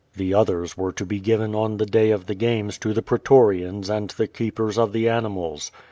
The others were to be given on the day of the games to the pretorians aiul the keepers of the animals.